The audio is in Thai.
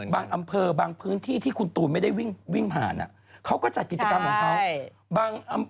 อำเภอบางพื้นที่ที่คุณตูนไม่ได้วิ่งผ่านเขาก็จัดกิจกรรมของเขา